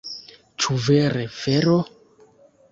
Ĉu vere vero?